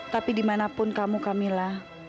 tapi di manapun kamu kamilah